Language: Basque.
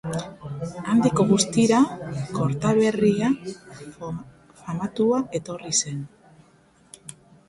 Handik gutxira, Kortaberria famatua etorri zen.